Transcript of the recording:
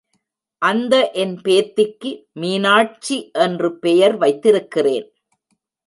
அந்த என் பேத்திக்கு மீனாட்சி என்று பெயர் வைத்திருக்கிறேன்.